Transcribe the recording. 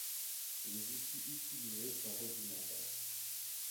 Les outils utilisés sont rudimentaires.